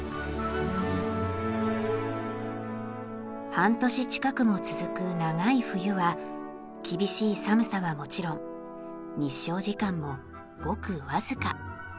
半年近くも続く長い冬は厳しい寒さはもちろん日照時間もごく僅か。